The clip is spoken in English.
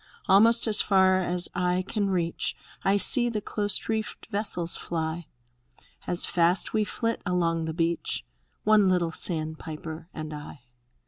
Almost as far as eye can reach I see the close reefed vessels fly. As fast we flit along the beach, — One little sandpiper and I.